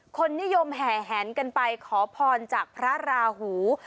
คนนิยมแห่แหนกันไปขอพรจากพระราหู